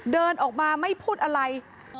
เดินออกมาไม่พูดอะไร